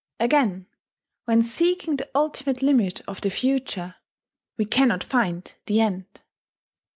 Again, when seeking the ultimate limit of the future, we cannot find the end."